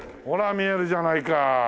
見えるじゃないか！